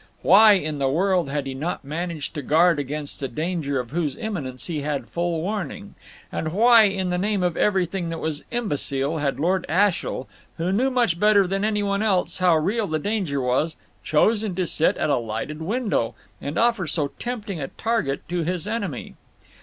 Why in the world had he not managed to guard against a danger of whose imminence he had had full warning? And why in the name of everything that was imbecile had Lord Ashiel, who knew much better than anyone else how real the danger was, chosen to sit at a lighted window, and offer so tempting a target to his enemy?